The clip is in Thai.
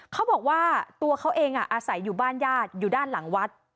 เขาบอกว่าตัวเขาเองอาศัยอยู่บ้านญาติอยู่ด้านหลังวัด